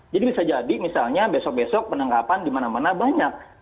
jadi bisa jadi misalnya besok besok penangkapan di mana mana banyak